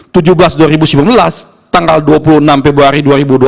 tanggal dua puluh enam februari dua ribu dua puluh